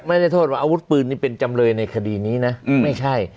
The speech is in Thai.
ไม่ได้โทษว่าอาวุธปืนนี่เป็นจำเลยในคดีนี้นะไม่ใช่